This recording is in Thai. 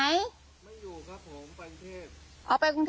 ไม่อยู่ครับผมไปกรุงเทพ